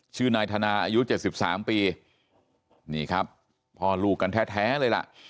ชื่อนายธนาอายุ๗๓ปีนี่ครับพ่อลูกกันแท้เลยล่ะ